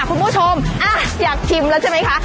คุณผู้ชมอยากชิมแล้วใช่ไหมคะ